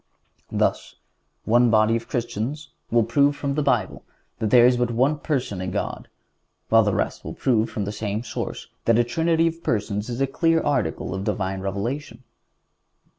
Thus, one body of Christians will prove from the Bible that there is but one Person in God, while the rest will prove from the same source that a Trinity of Persons is a clear article of Divine Revelation.